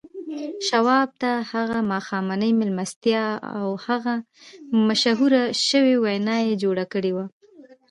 شواب ته هغه ماښامنۍ مېلمستیا او هغه مشهوره شوې وينا يې جوړه کړې وه.